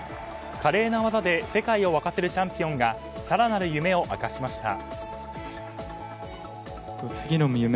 華麗な技で世界を沸かせるチャンピオンが更なる夢を明かしました。